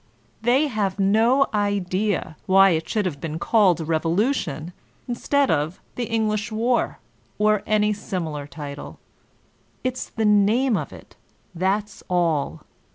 They have no idea why it should have been called a "revolution" instead of the "English war/' or any similar title: it's the name of it, that's all.